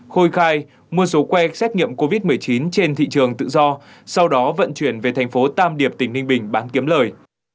khôi khai mua số que xét nghiệm covid một mươi chín trên thị trường tự do sau đó vận chuyển về thành phố tam điệp tỉnh ninh bình bán kiếm lời